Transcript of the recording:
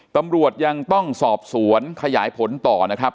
ตำรวจยังต้องสอบสวนขยายผลต่อนะครับ